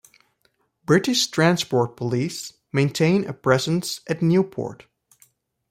British Transport Police maintain a presence at Newport.